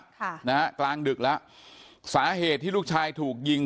ค่ะนะฮะกลางดึกแล้วสาเหตุที่ลูกชายถูกยิง